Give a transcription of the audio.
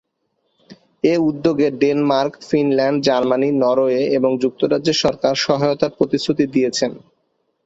এ উদ্যোগে Denmark, Finland, Germany, Norway এবং যুক্তরাজ্যের সরকার সহায়তার প্রতিশ্রুতি দিয়েছেন।